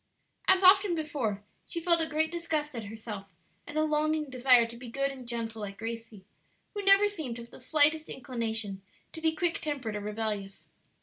As often before, she felt a great disgust at herself, and a longing desire to be good and gentle like Gracie, who never seemed to have the slightest inclination to be quick tempered or rebellious.